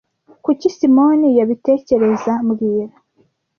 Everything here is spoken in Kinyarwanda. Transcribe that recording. Kuki Simoni yabitekereza mbwira